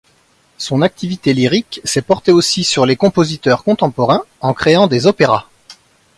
Son activité lyrique s'est portée aussi sur les compositeurs contemporains en créant des opéras.